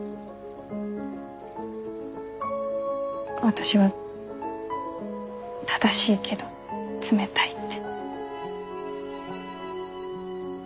私は正しいけど冷たいって。